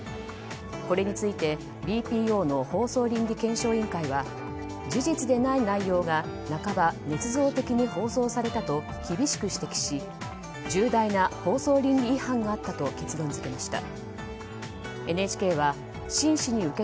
これについてＢＰＯの放送倫理検証委員会は事実でない内容が半ばねつ造的に放送されたと厳しく指摘し重大な放送倫理違反があったと結論付けました。